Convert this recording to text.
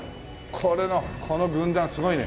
これのこの軍団すごいね。